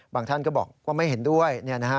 ท่านก็บอกว่าไม่เห็นด้วย